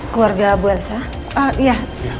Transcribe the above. keluarga bu elsa